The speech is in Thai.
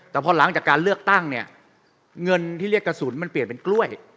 แต่พอหลังจากการเลือกตั้งเนี่ยเงินที่เรียกกระสุนมันเปลี่ยนเป็นกล้วย